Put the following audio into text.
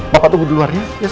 bapak tunggu di luar ya sayang